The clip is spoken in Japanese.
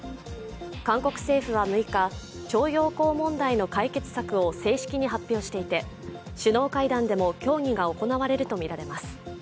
韓国政府は６日、徴用工問題の解決策を正式に発表していて、首脳会談でも協議が行われるとみられます。